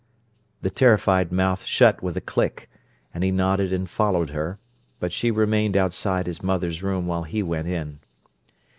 The terrified mouth shut with a click; and he nodded and followed her; but she remained outside his mother's room while he went in.